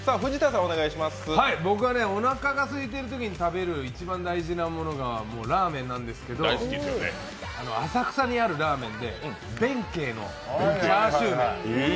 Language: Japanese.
僕はおなかがすいているときに食べる一番大事なものがラーメンなんですけど浅草にあるラーメンで弁慶のチャーシューめん。